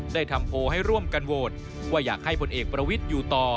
ได้ทำโพลให้ร่วมกันโหวตว่าอยากให้ผลเอกประวิทย์อยู่ต่อ